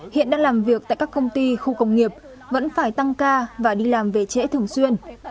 hiện đang làm việc tại các công ty khu công nghiệp vẫn phải tăng ca và đi làm về trễ thường xuyên